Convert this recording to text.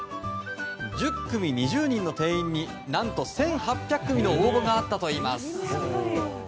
１０組２０人の定員に何と１８００組の応募があったといいます。